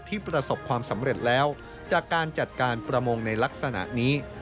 ประสบความสำเร็จแล้วจากการจัดการประมงในลักษณะนี้